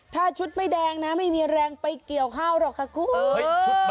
ถ้าชุดไม่แดงนะไม่มีแรงไปเกี่ยวข้าวหรอกค่ะคุณ